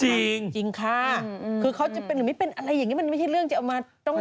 จริงจริงค่ะคือเขาจะเป็นหรือไม่เป็นอะไรอย่างนี้มันไม่ใช่เรื่องจะเอามาต้อง